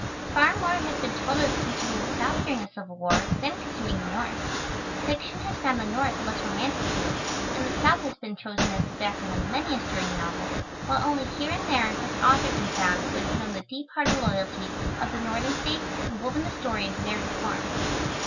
Far more has been told us concerning the South during the Civil War than concerning the North. Fiction has found the North a less romantic field, and the South has been chosen as the background of many a stirring novel, while only here and there has an author been found who has known the deep hearted loyalty of the Northern States and woven the story into narrative form.